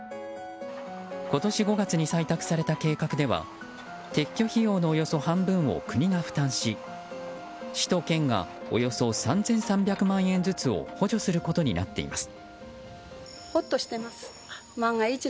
今年５月に採択された計画では撤去費用のおよそ半分を国が負担し市と県がおよそ３３００万円ずつを補助することになっています。